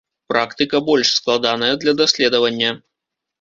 Практыка больш складаная для даследавання.